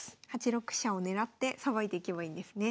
８六飛車を狙ってさばいていけばいいんですね。